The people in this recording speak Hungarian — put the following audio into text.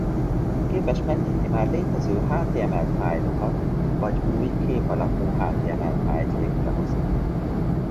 Képes megnyitni már létező html fájlokat vagy új kép alapú html fájlt létrehozni.